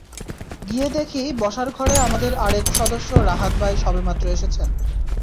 গিয়ে দেখি বসার ঘরে আমাদের আরেক সদস্য রাহাত ভাই সবেমাত্র এসেছেন।